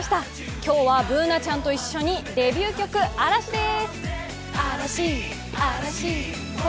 今日はＢｏｏｎａちゃんと一緒にデビュー曲、「Ａ・ＲＡ・ＳＨＩ」です！